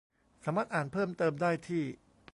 สามารถอ่านเพิ่มเติมได้ที่